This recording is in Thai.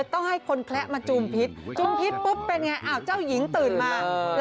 ต้องให้คนแคละมาจูมพิษจูมพิษปุ๊บเป็นไงอ้าวเจ้าหญิงตื่นมา